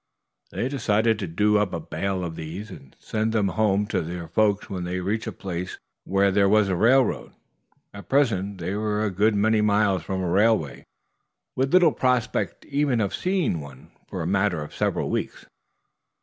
They decided to do up a bale of these and send them home to their folks when they reached a place where there was a railroad. At present they were a good many miles from a railway, with little prospect even of seeing one for a matter of several weeks.